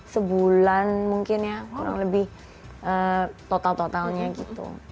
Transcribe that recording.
sebulan mungkin ya kurang lebih total totalnya gitu